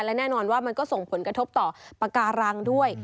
และแน่นอนว่ามันก็ส่งผลกระทบต่อปาการังด้วย